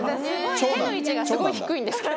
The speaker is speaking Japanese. すごい手の位置がすごい低いんですけど。